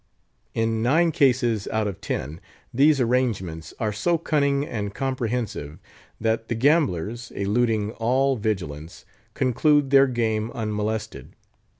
In nine cases out of ten these arrangements are so cunning and comprehensive, that the gamblers, eluding all vigilance, conclude their game unmolested.